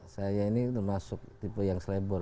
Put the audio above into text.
saya ini masuk tipe yang slebor